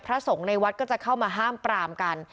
สงฆ์ในวัดก็จะเข้ามาห้ามปรามกัน